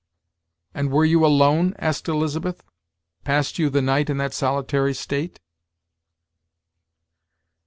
"And were you alone?" asked Elizabeth: "passed you the night in that solitary state?"